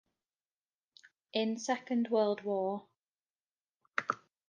In Second World War.